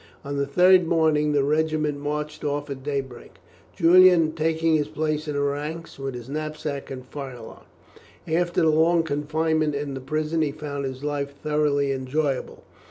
On the third morning the regiment marched off at daybreak, Julian taking his place in the ranks, with his knapsack and firelock. After the long confinement in the prison he found his life thoroughly enjoyable.